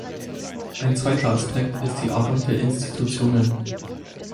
Ein zweiter Aspekt ist die Arbeit der Institutionen.